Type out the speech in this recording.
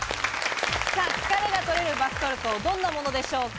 疲れが取れるバスソルト、どんなものでしょうか？